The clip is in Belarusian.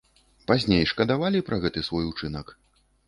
Пазней шкадавалі пра гэты свой учынак?